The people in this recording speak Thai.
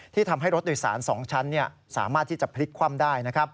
ทำให้รถโดยสาร๒ชั้นสามารถที่จะพลิกคว่ำได้